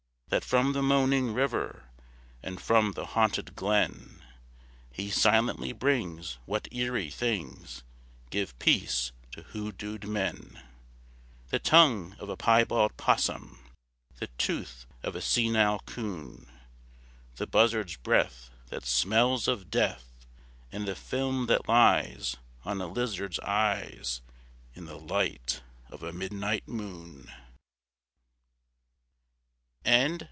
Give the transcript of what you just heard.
That from the moaning river And from the haunted glen He silently brings what eerie things Give peace to hoodooed men: _The tongue of a piebald 'possum, The tooth of a senile 'coon, The buzzard's breath that smells of death, And the film that lies On a lizard's eyes In the light of a midnight moon!